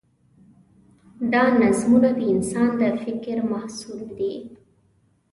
دا نظمونه د انسان د فکر محصول دي.